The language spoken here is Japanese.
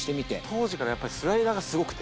当時からやっぱりスライダーがすごくて。